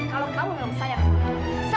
kalau kamu tidak menyayangi diri kamu